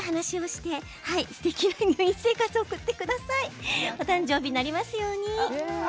すてきなお誕生日になりますように。